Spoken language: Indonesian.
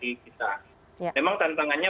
di kita memang tantangannya